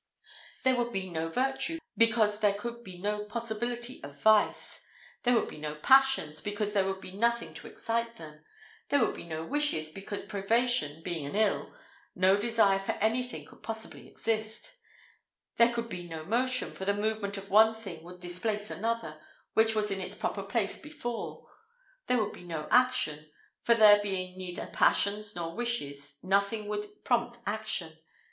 There would be no virtue, because there could be no possibility of vice; there would be no passions, because there would be nothing to excite them; there would be no wishes, because privation being an ill, no desire for anything could possibly exist; there could be no motion, for the movement of one thing would displace another, which was in its proper place before; there would be no action, for there being neither passions nor wishes, nothing would prompt action.